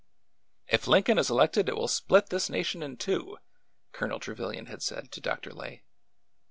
'' If Lincoln is elected it will split this nation in two !'' Colonel Trevilian had said to Dr. Lay.